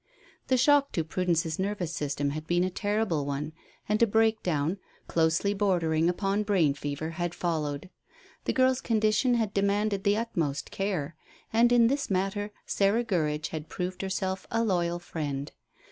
The shock to Prudence's nervous system had been a terrible one, and a breakdown, closely bordering upon brain fever, had followed. The girl's condition had demanded the utmost care, and, in this matter, Sarah Gurridge had proved herself a loyal friend.